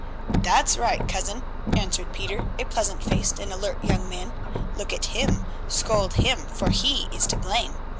"That's right, cousin," answered Pieter, a pleasant faced and alert young man, "look at him, scold him, for he is to blame.